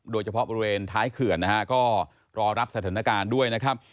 โดยเฉพาะบริเวณท้ายเขื่อนนะฮะก็รอรับสถานการณ์ด้วยนะครับ